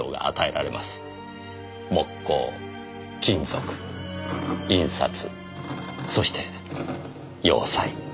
木工金属印刷そして洋裁。